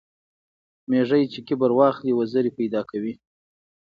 ـ ميږى چې کبر واخلي وزرې پېدا کوي.